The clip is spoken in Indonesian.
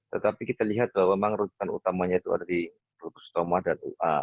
tetapi kita lihat bahwa memang rutan utamanya itu ada di rukus tomah dan ua